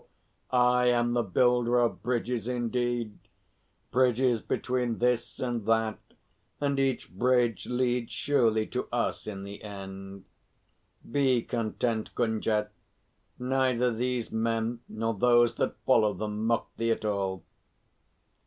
I am the builder of bridges, indeed bridges between this and that, and each bridge leads surely to Us in the end. Be content, Gunga. Neither these men nor those that follow them mock thee at all."